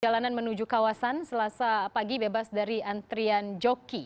jalanan menuju kawasan selasa pagi bebas dari antrian joki